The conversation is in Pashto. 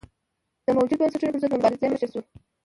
د موجوده بنسټونو پرضد مبارزې مشر شو.